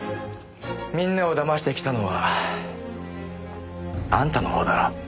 みんなを騙してきたのはあんたのほうだろ。